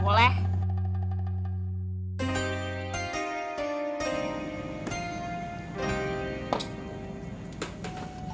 kecuali icetnya mau berubah